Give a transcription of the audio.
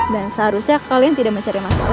dan seharusnya kalian tidak mencari masalah dengan wira